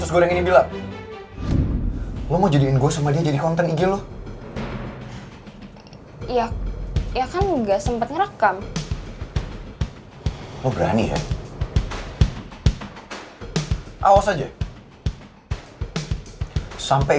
gue gak mau ada disini